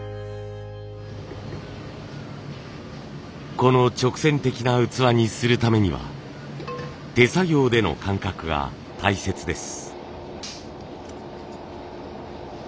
この直線的な器にするためには手作業での感覚が大切です。